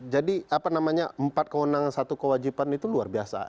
jadi apa namanya empat kewenangan satu kewajiban itu luar biasa